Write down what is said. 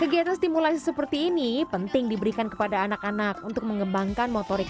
kegiatan stimulasi seperti ini penting diberikan kepada anak anak untuk mengembangkan motorik